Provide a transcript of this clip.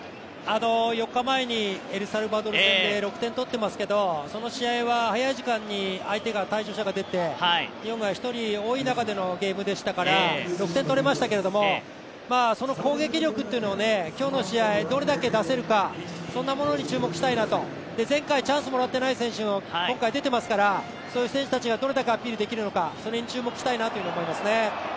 ４日前にエルサルバドル戦で６点、取っていますけどその試合は早い時間に相手が退場者が出て、日本が１人多い中でのゲームでしたから６点取れましたけどその攻撃力というのを今日の試合、どれだけ出せるかそんなものに注目したいなと、前回チャンスをもらっていない選手が今回出ていますから、そういう選手たちがどれだけアピールできるのか、それに注目したいなと思いますね。